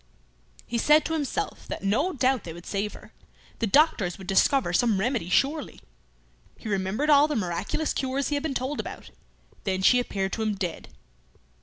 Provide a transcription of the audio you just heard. He said to himself that no doubt they would save her; the doctors would discover some remedy surely. He remembered all the miraculous cures he had been told about. Then she appeared to him dead.